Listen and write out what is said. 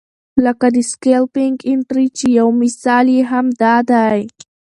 لکه د سکیلپنګ انټري چې یو مثال یې هم دا دی.